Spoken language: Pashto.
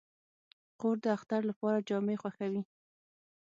خور د اختر لپاره جامې خوښوي.